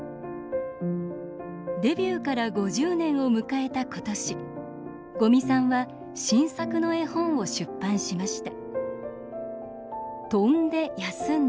デビューから５０年を迎えた今年五味さんは新作の絵本を出版しました。